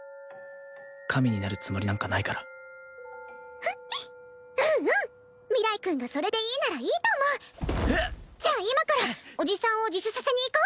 神になるつもりなんかないからうんうん明日君がそれでいいならいいと思うじゃあ今から叔父さんを自首させに行こ！